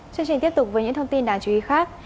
chương trình tiếp tục với những thông tin đáng chú ý khác